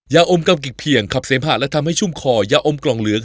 ยาอมกำกิกเพียงขับเสมหะและทำให้ชุ่มคอยาอมกล่องเหลือง